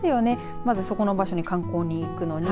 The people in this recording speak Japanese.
まずそこの場所に観光にいくのに。